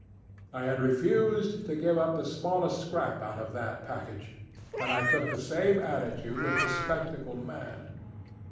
I had refused to give up the smallest scrap out of that package, and I took the same attitude with the spectacled man.